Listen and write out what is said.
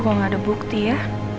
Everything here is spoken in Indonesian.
kalo gak ada bukti ya